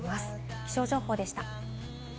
気象情報でした。